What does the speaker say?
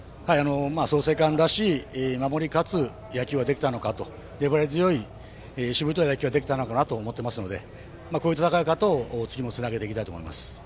創成館らしい守りかつ野球ができたのかなと粘り強い、しぶとい野球ができたと思っていますのでこういう戦い方を次にもつなげていきたいと思います。